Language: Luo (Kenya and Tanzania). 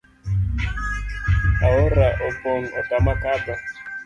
Aora opong' otama kadho